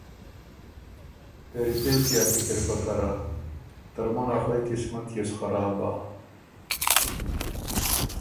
پېری پېڅ يې ا سوچ پکر هۀ، ترمُن ا خوئ قسمت يې سو خراب بَۀ،